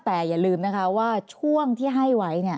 แต่อย่าลืมนะคะว่าช่วงที่ให้ไว้